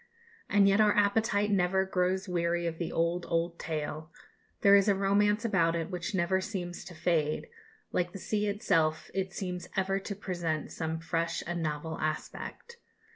And yet our appetite never grows weary of the old, old tale; there is a romance about it which never seems to fade like the sea itself it seems ever to present some fresh and novel aspect.